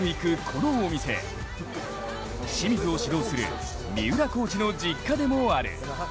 このお店、清水を指導する、三浦コーチの実家でもある。